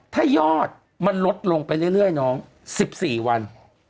ถ้ายอดมันลดลงไปเรื่อยน้อง๑๔วัน